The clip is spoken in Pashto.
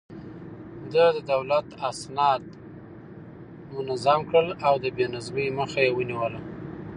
ده د دولت اسناد منظم کړل او د بې نظمۍ مخه يې ونيوله.